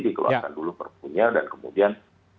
dikeluarkan dulu perpunya dan kemudian